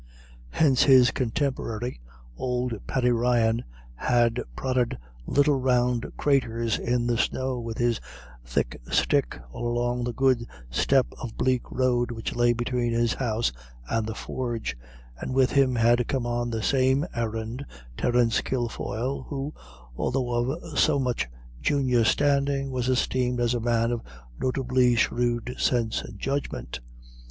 Hence his contemporary, old Paddy Ryan, had prodded little round craters in the snow with his thick stick all along the good step of bleak road which lay between his house and the forge, and with him had come on the same errand Terence Kilfoyle, who, although of so much junior standing, was esteemed as a man of notably shrewd sense and judgment.